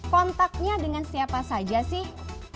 kontaknya dengan siapa saja sih